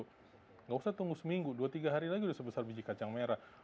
tidak usah tunggu seminggu dua tiga hari lagi udah sebesar biji kacang merah